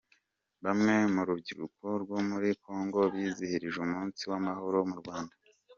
Bamwe mu rubyiruko rwo muri kongo bizihirije umunsi w’amahoro mu Rwanda